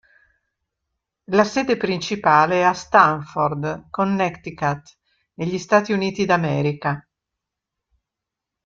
La sede principale è a Stamford, Connecticut, negli Stati Uniti d'America.